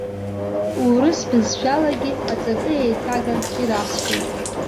Урыс бызшәалагьы аҵакы еиҭаган ирасҳәеит.